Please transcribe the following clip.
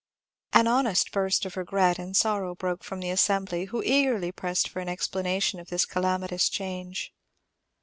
An honest outburst of regret and sorrow broke from the assembly, who eagerly pressed for an explanation of this calamitous change.